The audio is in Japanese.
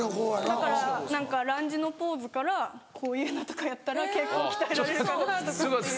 だからランジのポーズからこういうのとかやったら結構鍛えられるかなとか。